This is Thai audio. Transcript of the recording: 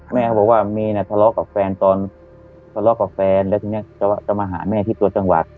เขาบอกว่าเมย์ทะเลาะกับแฟนตอนทะเลาะกับแฟนแล้วทีนี้จะมาหาแม่ที่ตัวจังหวัด